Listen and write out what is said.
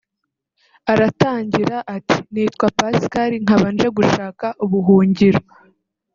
Aratangira ati “Nitwa Pascal nkaba nje gushaka ubuhungiro